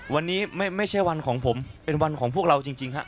วันนี้ไม่ใช่วันของผมเป็นวันของพวกเราจริงฮะ